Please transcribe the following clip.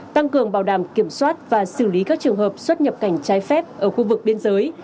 tăng cường bảo đảm kiểm soát và xử lý các trường hợp xuất nhập cảnh trái phép ở khu vực biên giới